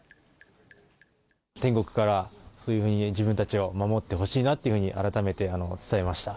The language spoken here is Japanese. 天国からそういうふうに自分たちを守ってほしいなっていうふうに、改めて伝えました。